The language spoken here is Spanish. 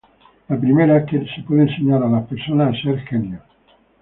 La primera es que se puede enseñar a las personas a ser genios.